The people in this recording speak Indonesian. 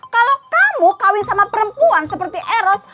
kalau kamu kawin sama perempuan seperti eros